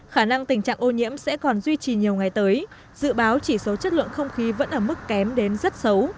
khả năng tình trạng ô nhiễm sẽ còn duy trì nhiều ngày tới dự báo chỉ số chất lượng không khí vẫn ở mức kém đến rất xấu